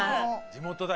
地元だ。